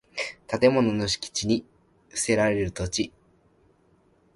建物の敷地に供せられる土地